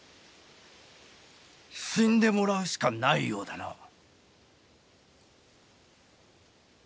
死んでもらうしかないようだな。